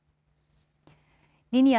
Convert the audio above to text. リニア